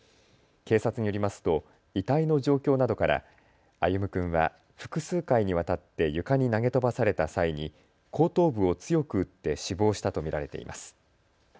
警察によりますと遺体の状況などから歩夢君は複数回にわたって床に投げ飛ばされた際に後頭部を強く打って死亡したと見られています。